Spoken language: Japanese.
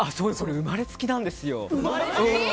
生まれつきなんですよ。